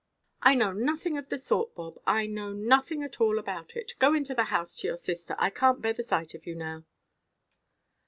"I know nothing of the sort, Bob. I know nothing at all about it. Go into the house to your sister. I canʼt bear the sight of you now."